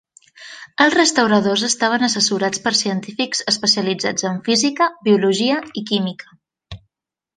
Els restauradors estaven assessorats per científics especialitzats en física, biologia i química.